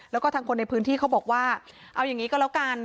แล้วก็ทางคนในพื้นที่เขาบอกว่าเอาอย่างนี้ก็แล้วกัน